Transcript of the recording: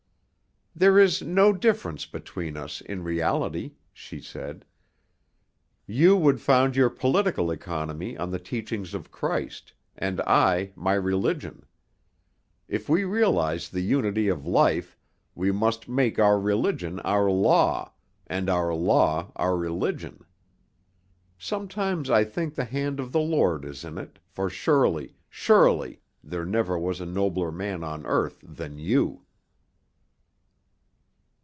"There is no difference between us in reality," she said: "you would found your political economy on the teachings of Christ, and I my religion. If we realize the unity of life, we must make our religion our law, and our law our religion. Sometimes I think the hand of the Lord is in it, for surely, surely, there never was a nobler man on earth than you."